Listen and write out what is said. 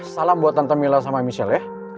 salam buat tante mila sama michelle ya